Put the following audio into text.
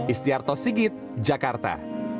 istiarto sigit jakarta